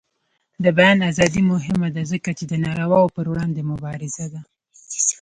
د بیان ازادي مهمه ده ځکه چې د ناروا پر وړاندې مبارزه ده.